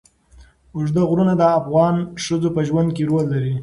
اوږده غرونه د افغان ښځو په ژوند کې رول لري.